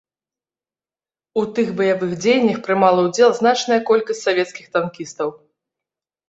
У тых баявых дзеяннях прымала ўдзел значная колькасць савецкіх танкістаў.